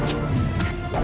aku akan buktikan